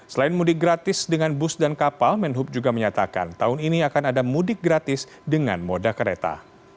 selain mudik gratis dengan bus dan kapal menhub juga menyatakan tahun ini akan ada mudik gratis dengan moda kereta